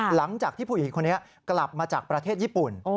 หลังจากที่ผู้หญิงคนนี้กลับมาจากประเทศญี่ปุ่น